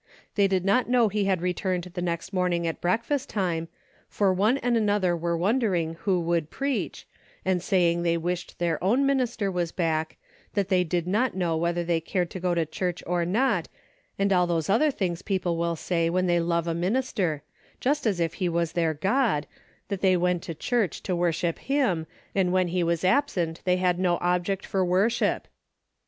They did not know he had returned the next morning at breakfast time, for one and another were wondering who would preach, and saying they wished their own minister was back, that they did not know whether they cared to go to church or not, and all those other things people will say when they love a minister, just as if he was their God, that they went to church to wor ship him, and when he was absent they had no object for worship.